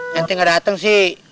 nanti ga dateng sih